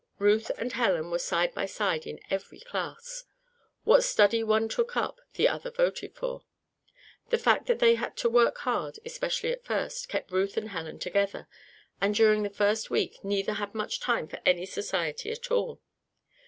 Ruth and Helen were side by side in every class. What study one took up, the other voted for. The fact that they had to work hard especially at first kept Ruth and Helen together, and during the first week neither had much time for any society at all.